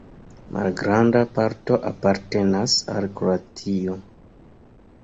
Malgranda parto apartenas al Kroatio.